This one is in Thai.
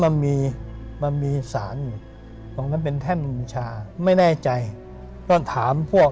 เหมือนคนใส่มวก